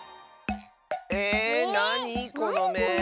ええっなにこのめ？